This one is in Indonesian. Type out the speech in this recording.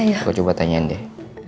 aku coba tanyain deh